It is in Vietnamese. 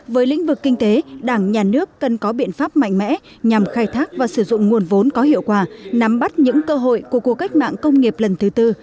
với lĩnh vực kinh tế đảng nhà nước cần có biện pháp mạnh mẽ nhằm khai thác và sử dụng nguồn vốn có hiệu quả nắm bắt những cơ hội của cuộc cách mạng công nghiệp lần thứ tư